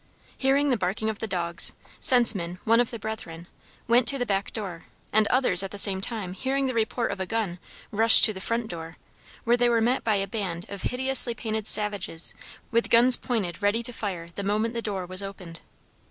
Hearing the barking of the dogs, Senseman, one of the Brethren, went to the back door and others at the same time hearing the report of a gun rushed to the front door, where they were met by a band of hideously painted savages with guns pointed ready to fire the moment the door was opened.